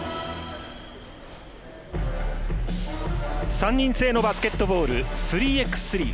３人制のバスケットボール３ｘ３。